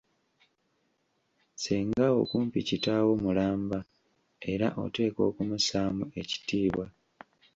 "Ssengawo kumpi kitaawo mulamba, era oteekwa okumussaamu ekitiibwa."